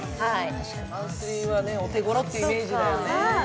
マンスリーはお手ごろというイメージだよね。